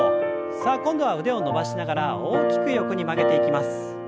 さあ今度は腕を伸ばしながら大きく横に曲げていきます。